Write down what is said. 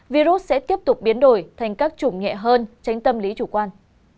virus sẽ tiếp tục biến đổi thành các chủng nhẹ hơn tránh tâm lý chủ quan